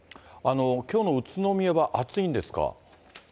きょうの宇都宮は暑いんですか。